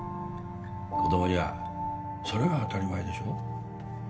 子供にはそれが当たり前でしょ？